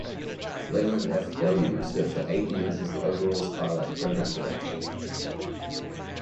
Leland F Belew served for eight years as the overall Skylab program director.